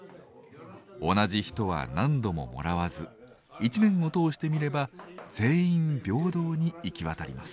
同じ人は何度ももらわず一年を通してみれば全員平等に行き渡ります。